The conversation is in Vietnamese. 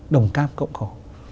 đồng cáp cộng khổ